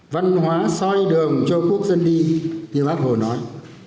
văn hóa soi đường cho quốc dân đi như bác hồ nói